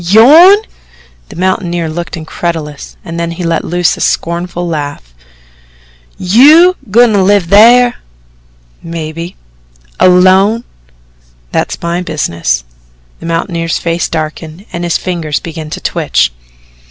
"YOURN!" The mountaineer looked incredulous and then he let loose a scornful laugh. "YOU goin' to live thar?" "Maybe." "Alone?" "That's my business." The mountaineer's face darkened and his fingers began to twitch.